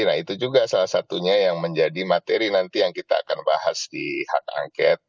nah itu juga salah satunya yang menjadi materi nanti yang kita akan bahas di hak angket